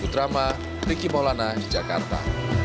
kudrama ricky maulana di jakarta